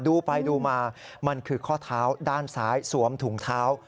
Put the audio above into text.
ดูไปดูมามันคือข้อเท้าด้านซ้ายสวมถุงเท้า